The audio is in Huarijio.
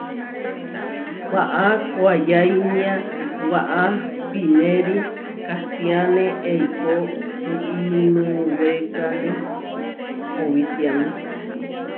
Waʼá koayáinia waʼá pinéri kahtiáne eikó, kiinuwékane owitiáme.